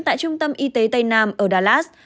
tại trung tâm y tế tây nam ở dallas